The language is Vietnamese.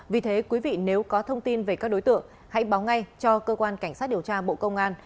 vì thế quý vị nếu có thông tin về các đối tượng hãy báo ngay cho cơ quan cảnh sát điều tra bộ công an